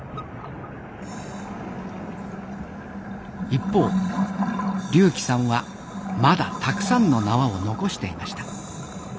一方龍希さんはまだたくさんの縄を残していました。